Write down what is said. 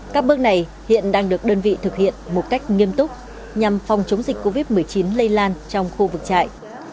các bước này hiện đang được đơn vị thực hiện một cách nghiêm túc nhằm phòng chống dịch covid một mươi chín lây lan trong khu vực trại